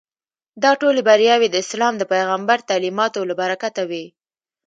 دا ټولې بریاوې د اسلام د پیغمبر تعلیماتو له برکته وې.